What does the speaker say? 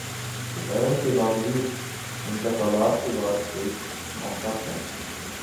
شکایات کے باوجود، انتخابات کے بعد ایک موقع تھا۔